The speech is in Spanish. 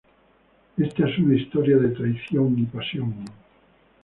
Esta es una historia de traición y pasión.